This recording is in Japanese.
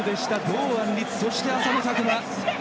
堂安律、そして浅野拓磨！